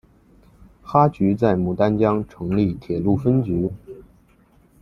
哈局在牡丹江成立铁路分局。